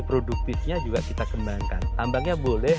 produktifnya juga kita kembangkan tambangnya boleh